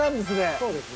そうですね。